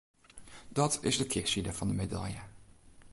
Dat is de kearside fan de medalje.